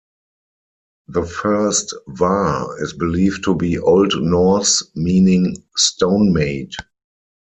The first "Var" is believed to be Old Norse meaning "stone made".